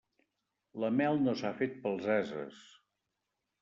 La mel no s'ha fet pels ases.